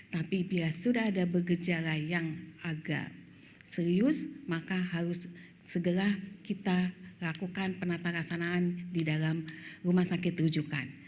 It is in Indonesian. tapi bila sudah ada bergejala yang agak serius maka harus segera kita lakukan penata rasanaan di dalam rumah sakit rujukan